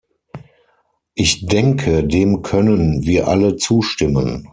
Ich denke, dem können wir alle zustimmen.